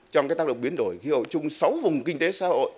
trong cái tác động biến đổi khi hội chung sáu vùng kinh tế xã hội